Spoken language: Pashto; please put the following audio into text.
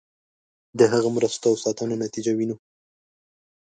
د هغه مرستو او ساتنو نتیجه وینو.